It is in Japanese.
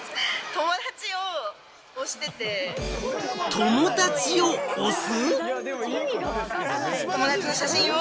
友達を推す？